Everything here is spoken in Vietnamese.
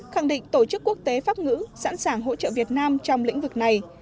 khẳng định tổ chức quốc tế pháp ngữ sẵn sàng hỗ trợ việt nam trong lĩnh vực này